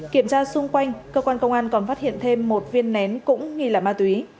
kiểm tra xung quanh cơ quan công an còn phát hiện thêm một viên nén cũng nghi là ma túy